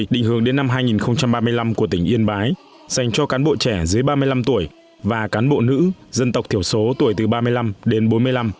định hướng đến năm hai nghìn ba mươi năm của tỉnh yên bái dành cho cán bộ trẻ dưới ba mươi năm tuổi